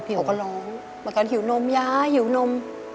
กระล้องเหมือนกันหิวนมยายหิวนม